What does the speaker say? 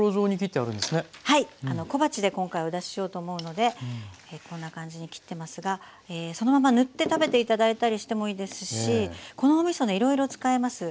あの小鉢で今回お出ししようと思うのでこんな感じに切ってますがそのまま塗って食べて頂いたりしてもいいですしこのおみそねいろいろ使えます。